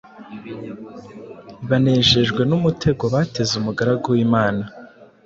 banejejwe n’umutego bateze umugaragu w’Imana.